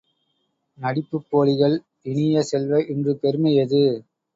நடிப்புப் போலிகள் இனிய செல்வ, இன்று பெருமை எது?